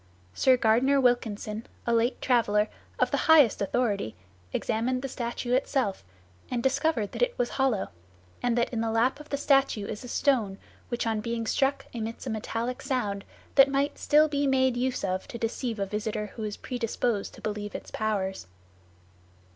Sir Gardner Wilkinson, a late traveller, of the highest authority, examined the statue itself, and discovered that it was hollow, and that "in the lap of the statue is a stone, which on being struck emits a metallic sound, that might still be made use of to deceive a visitor who was predisposed to believe its powers."